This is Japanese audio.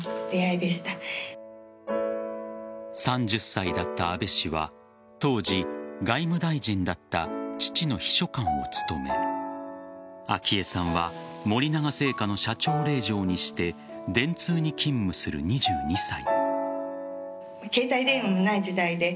３０歳だった安倍氏は当時、外務大臣だった父の秘書官を務め昭恵さんは森永製菓の社長令嬢にして電通に勤務する２２歳。